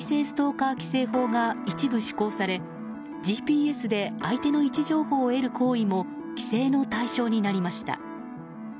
ストーカー規制法が一部施行され、ＧＰＳで相手の位置情報を得る行為も規制の対象になりました。